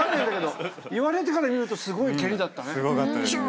言われてから見るとすごい蹴りだったね。